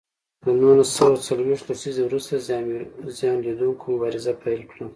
له نولس سوه څلویښت لسیزې وروسته زیان ولیدوونکو مبارزه پیل کړه.